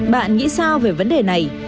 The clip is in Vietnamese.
bạn nghĩ sao về vấn đề này